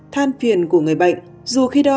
than phiền của người bệnh dù khi đo